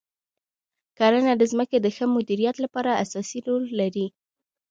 کرنه د ځمکې د ښه مدیریت لپاره اساسي رول لري.